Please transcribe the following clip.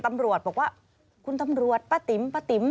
ตำรวจบอกว่าคุณตำรวจป้าติ๋มป้าติ๋ม